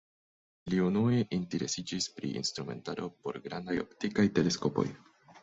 Li unue interesiĝis pri instrumentaro por grandaj optikaj teleskopoj.